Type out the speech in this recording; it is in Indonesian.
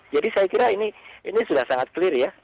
jadi saya kira ini sudah sangat clear ya